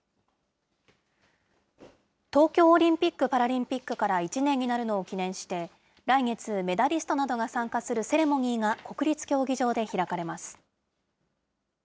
東京オリンピック・パラリンピックから１年になるのを記念して、来月、メダリストなどが参加するセレモニーが国立競技場で開かれます。